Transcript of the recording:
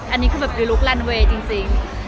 อันนี้คือรูปมันลันเวย์จริง